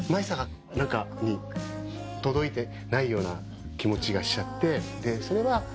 届いてないような気持ちがしちゃって。